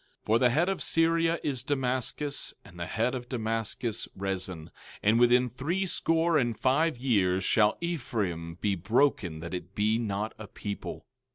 17:8 For the head of Syria is Damascus, and the head of Damascus, Rezin; and within three score and five years shall Ephraim be broken that it be not a people.